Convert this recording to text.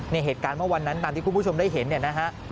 เหตุการณ์เมื่อวันนั้นตามที่คุณผู้ชมได้เห็นเนี่ยนะฮะ